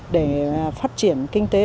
để phát triển kinh tế